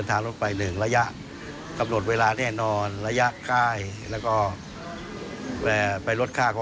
เส้นทางรถไฟท่ากวองเข้าข้างนอนสายนี้